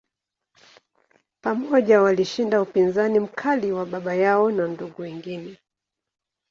Pamoja, walishinda upinzani mkali wa baba yao na ndugu wengine.